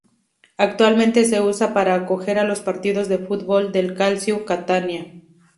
Actualmente se usa para acoger los partidos de fútbol del Calcio Catania.